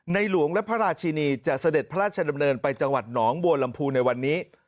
หลวงและพระราชินีจะเสด็จพระราชดำเนินไปจังหวัดหนองบัวลำพูในวันนี้